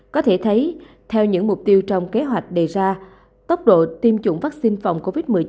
có thể thấy theo những mục tiêu trong kế hoạch đề ra tốc độ tiêm chủng vaccine phòng covid một mươi chín